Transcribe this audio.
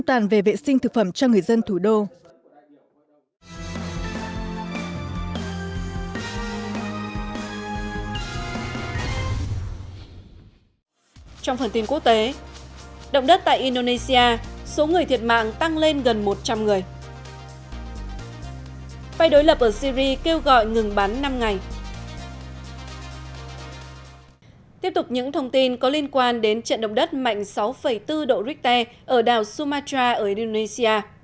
tiếp tục những thông tin có liên quan đến trận động đất mạnh sáu bốn độ richter ở đảo sumatra ở indonesia